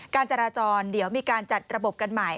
การจราจรเดี๋ยวมีการจัดระบบกันใหม่